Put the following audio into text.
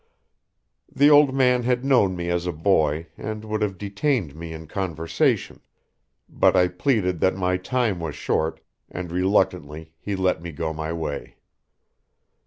The old man had known me as a boy and would have detained me in conversation, but I pleaded that my time was short, and reluctantly he let me go my way.